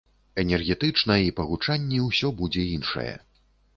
Энергетычна і па гучанні ўсё будзе іншае.